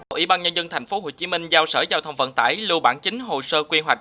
ủy ban nhân dân tp hcm giao sở giao thông vận tải lưu bản chính hồ sơ quy hoạch